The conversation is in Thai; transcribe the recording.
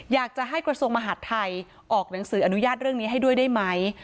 อยากจะให้กระทรวงมหาดไทยออกหนังสืออนุญาตเรื่องนี้ให้ด้วยได้ไหม